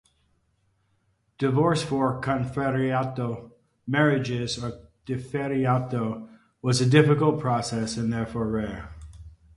Divorce for "confarreatio" marriages, "diffarreatio", was a difficult process and therefore rare.